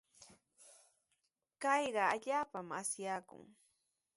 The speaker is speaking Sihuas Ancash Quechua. Kayqa allaapami asyaakun.